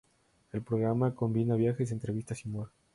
El programa combina viajes, entrevistas y humor.